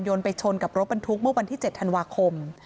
ไปชนกับรถบรรทุกเมื่อวันที่๗ธันวาคม